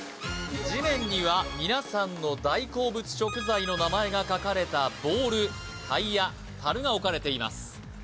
地面には皆さんの大好物食材の名前が書かれたボールタイヤタルが置かれています